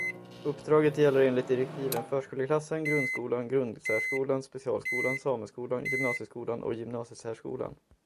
Uppdraget gäller enligt direktiven förskoleklassen, grundskolan, grundsärskolan, specialskolan, sameskolan, gymnasieskolan och gymnasiesärskolan.